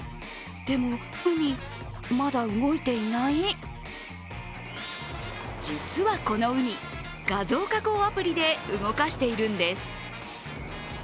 でも海、まだ動いていない実はこの海、画像加工アプリで動かしているんです。